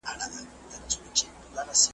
او د هري ښایستې کلمې د کارولو لپاره ځای لري .